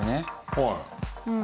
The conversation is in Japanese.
はい。